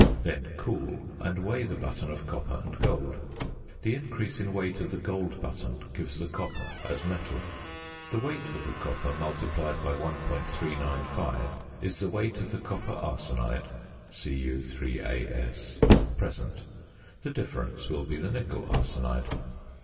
Then cool, and weigh the button of copper and gold. The increase in weight of the gold button gives the copper as metal. The weight of the copper multiplied by 1.395 is the weight of the copper arsenide (Cu_As) present. The difference will be the nickel arsenide.